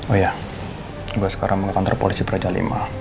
oh iya gua sekarang mau ke kantor polisi praja v